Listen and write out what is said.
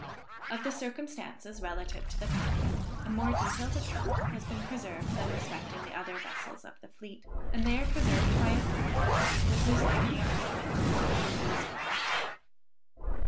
Of the circumstances relative to the Catharine, a more detailed account has been preserved than respecting the other vessels of the fleet; and they are preserved by a female, with whose name we are unacquainted, in these words.